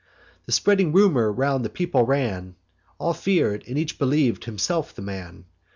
The spreading rumour round the people ran; All fear'd, and each believ'd himself the man.